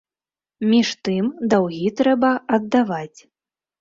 Між тым, даўгі трэба аддаваць.